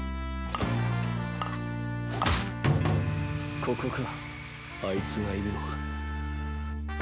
ここかあいつがいるのは。